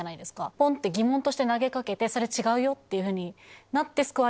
ポンって疑問として投げ掛けて「それ違うよ」っていうふうに。